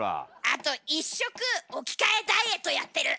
あと１食置き換えダイエットやってる。